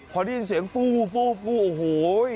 พอได้ยินเสียงฟูฟู้โอ้โห